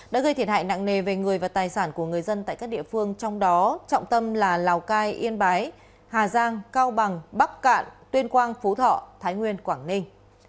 đã gây thiệt hại nặng nề về người và tài sản của người dân tại các địa phương trong đó trọng tâm là lào cai yên bái hà giang cao bằng bắc cạn tuyên quang phú thọ thái nguyên quảng ninh